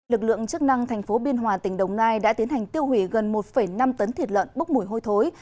lực lượng chức năng thành phố biên hòa tỉnh đồng nai đã tiến hành tiêu hủy gần một năm tấn thịt lợn bốc mùi hôi thối